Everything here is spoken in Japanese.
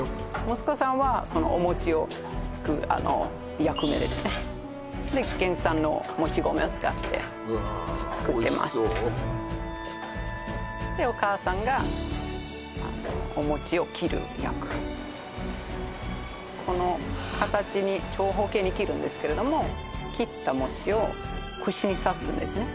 息子さんはそのお餅をつく役目ですねで原産のもち米を使ってうわおいしそう作ってますお母さんがお餅を切る役この形に長方形に切るんですけれども切った餅を串に刺すんですね